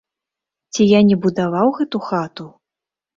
Ці я не будаваў гэту хату?